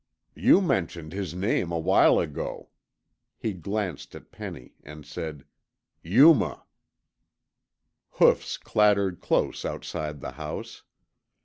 "You mentioned his name a while ago." He glanced at Penny, and said, "Yuma." Hoofs clattered close outside the house.